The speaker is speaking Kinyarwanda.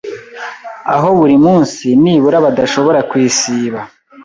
aho buri munsi nibura badashobora kuyisiba